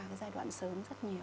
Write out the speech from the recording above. cái giai đoạn sớm rất nhiều